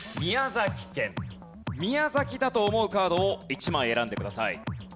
宮崎だと思うカードを１枚選んでください。